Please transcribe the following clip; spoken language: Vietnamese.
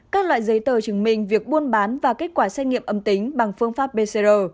các loại giấy tờ chứng minh việc buôn bán và kết quả xét nghiệm âm tính bằng phương pháp pcr